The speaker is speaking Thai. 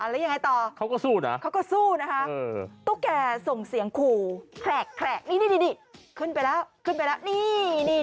แล้วยังไงต่อเขาก็สู้นะเขาก็สู้นะคะตุ๊กแก่ส่งเสียงขู่แขกนี่ขึ้นไปแล้วขึ้นไปแล้วนี่